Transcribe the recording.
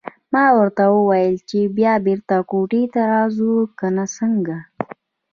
ما ورته وویل چې بیا بېرته کوټې ته راځو که څنګه.